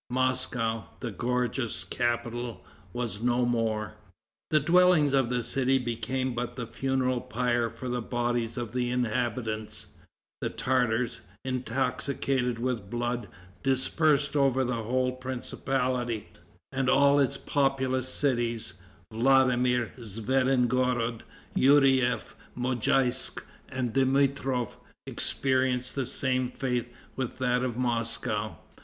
Moscow, the gorgeous capital, was no more. The dwellings of the city became but the funeral pyre for the bodies of the inhabitants. The Tartars, intoxicated with blood, dispersed over the whole principality; and all its populous cities, Vladimir, Zvenigorod, Yourief, Mojaisk and Dmitrof, experienced the same fate with that of Moscow.